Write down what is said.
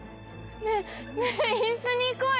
ねえねえ一緒にいこうよ